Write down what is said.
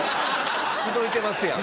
口説いてますやん。